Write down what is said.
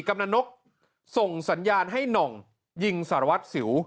กำลังนกส่งสัญญาณให้หน่องยิงสารวัตรสิว